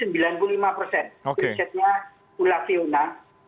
bagaimana perkembangan surabaya